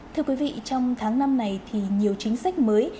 thưa quý vị trong tháng năm này thì nhiều chính sách mới